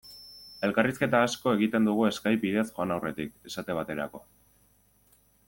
Elkarrizketa asko egiten dugu Skype bidez joan aurretik, esate baterako.